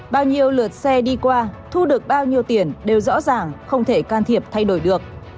bao nhiêu lượt xe đi qua thu được bao nhiêu tiền đều rõ ràng không thể can thiệp thay đổi được